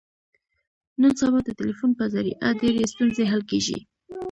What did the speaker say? نن سبا د ټلیفون په ذریعه ډېرې ستونزې حل کېږي.